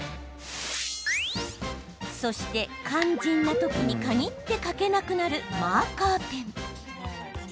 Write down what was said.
そして、肝心な時に限って書けなくなるマーカーペン。